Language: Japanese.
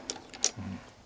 うん。